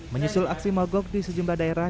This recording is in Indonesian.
menyusul aksi mogok di sejumlah daerah